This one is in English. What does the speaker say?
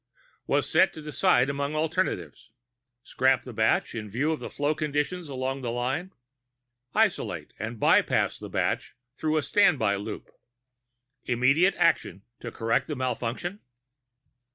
was set to decide among alternatives: scrap the batch in view of flow conditions along the line? isolate and bypass the batch through a standby loop? immediate action to correct the malfunction?